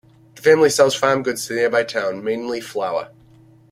The family sells farm goods to the nearby town, mainly flour.